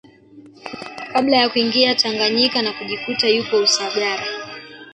Kabla ya kuingia Tanganyika na kujikuta yupo Usagara